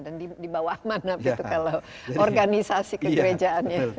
dan di bawah mana kalau organisasi kegerejaan